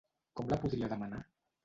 Com la podria demanar?